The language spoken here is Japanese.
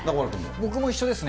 僕も一緒ですね。